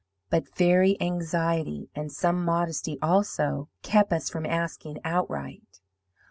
But very anxiety, and some modesty also, kept us from asking outright.